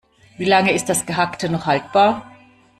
Wie lange ist das Gehackte noch haltbar?